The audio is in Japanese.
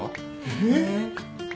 えっ！